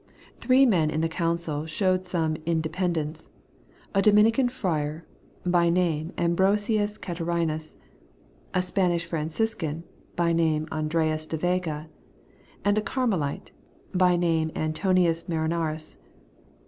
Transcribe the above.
Three men in the Coimcil showed some inde pendence : a Dominican friar, by name Ambrosius Catarinus ; a Spanish Franciscan, by name Andreas de Vega; and a Carmelite, by name Antoninus Marinarus.